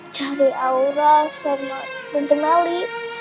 cari aura sama tenten ali